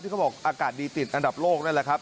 เขาบอกอากาศดีติดอันดับโลกนั่นแหละครับ